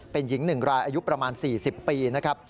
เป็นหญิง๑รายอายุประมาณ๔๐ปีนะครับ